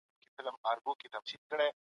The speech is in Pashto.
ها د فلسفې خاوند